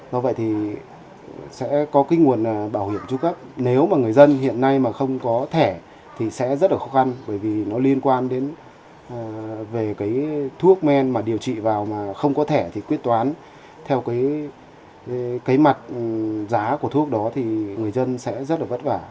do vậy thì sẽ có cái nguồn bảo hiểm trung cấp nếu mà người dân hiện nay mà không có thẻ thì sẽ rất là khó khăn bởi vì nó liên quan đến về cái thuốc men mà điều trị vào mà không có thẻ thì quyết toán theo cái mặt giá của thuốc đó thì người dân sẽ rất là vất vả